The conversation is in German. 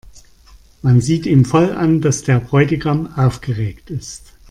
Man sieht ihm voll an, dass der Bräutigam aufgeregt ist.